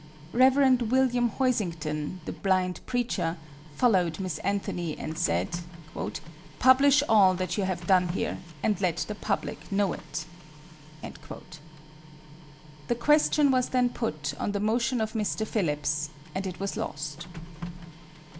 Rev. William Hoisington (the blind preacher) followed Miss Anthony, and said: "Publish all that you have done here, and let the public know it." The question was then put, on the motion of Mr. Phillips, and it was lost.